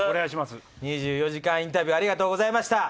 ２４時間インタビューありがとうございました。